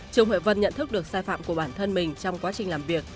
trương huệ vân nhận thức được sai phạm của bản thân mình trong quá trình làm việc